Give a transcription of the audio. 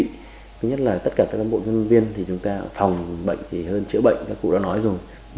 thứ nhất là tất cả các bộ nhân viên thì chúng ta phòng bệnh thì hơn chữa bệnh các cụ đã nói rồi